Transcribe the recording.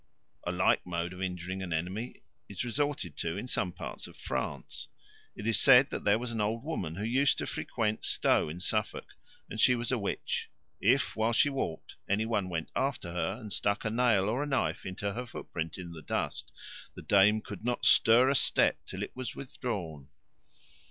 A like mode of injuring an enemy is resorted to in some parts of France. It is said that there was an old woman who used to frequent Stow in Suffolk, and she was a witch. If, while she walked, any one went after her and stuck a nail or a knife into her footprint in the dust, the dame could not stir a step till it was withdrawn.